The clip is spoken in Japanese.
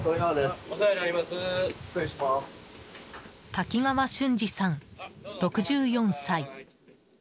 滝川俊二さん、６４歳。